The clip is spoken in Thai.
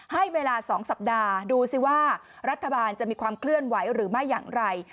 ให้เวลา๒สัปดาห์ดูสิว่ารัฐบาลจะมีความเคลื่อนไหวหรือไม่อย่างไร